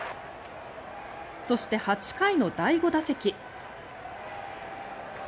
そして、８回の第５打席。